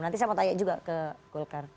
nanti saya mau tanya juga ke golkar